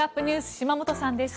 島本さんです。